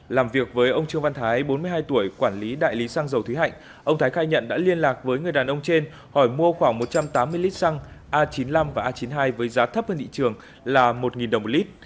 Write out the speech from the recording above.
làm việc với ông trương văn thái bốn mươi hai tuổi quản lý đại lý xăng dầu thúy hạnh ông thái khai nhận đã liên lạc với người đàn ông trên hỏi mua khoảng một trăm tám mươi lít xăng a chín mươi năm và a chín mươi hai với giá thấp hơn thị trường là một đồng một lít